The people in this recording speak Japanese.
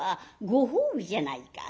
ご褒美じゃないか。